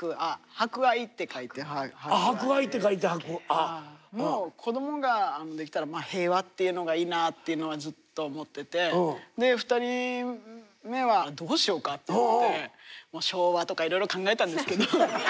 「博愛」って書いて「はくあ」。もう子供ができたら「平和」っていうのがいいなっていうのはずっと思ってて２人目はどうしようかってなって昭和とかいろいろ考えたんですけど。